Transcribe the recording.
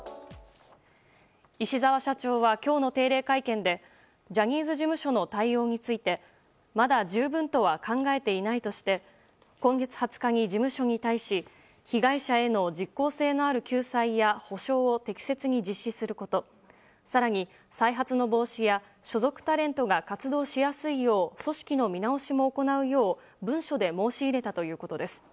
石澤社長は今日の定例会見でジャニーズ事務所の対応についてまだ十分とは考えていないとして今月２０日に事務所に対し被害者への実効性のある救済や補償を適切に実施すること更に、再発の防止や所属タレントが活動しやすいよう組織の見直しも行うよう文書で申し入れたということです。